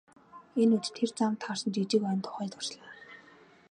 Энэ үед тэр замд таарсан жижиг ойн тухай дурслаа.